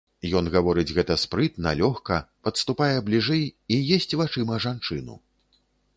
Ён гаворыць гэта спрытна, лёгка, падступае бліжэй і есць вачыма жанчыну.